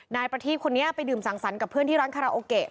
นายประทีบคนนี้ไปดื่มสังสรรค์กับเพื่อนที่ร้านคาราโอเกะ